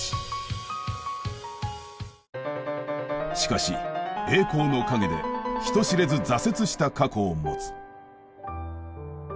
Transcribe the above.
しかし栄光の陰で人知れず挫折した過去を持つ。